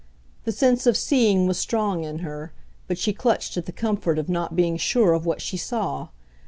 The sense of seeing was strong in her, but she clutched at the comfort of not being sure of what she saw.